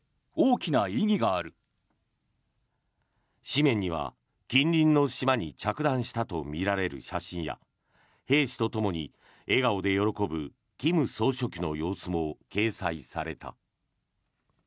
紙面には近隣の島に着弾したとみられる写真や兵士とともに笑顔で喜ぶ金総書記の様子も掲載された。